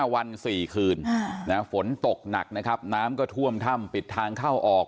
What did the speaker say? วัน๔คืนฝนตกหนักนะครับน้ำก็ท่วมถ้ำปิดทางเข้าออก